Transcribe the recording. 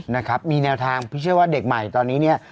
นะครับมีแนวทางพี่เชื่อว่าเด็กใหม่ตอนนี้เนี่ย